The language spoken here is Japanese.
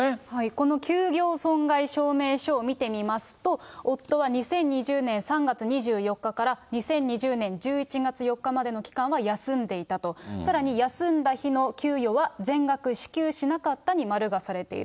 この休業損害証明書を見てみますと、夫は２０２０年３月２４日から２０２０年１１月４日までの期間は休んでいたと、さらに、休んだ日の給与は全額支給しなかったに丸がされている。